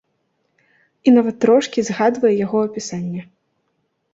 І нават трошкі згадвае яго апісанне.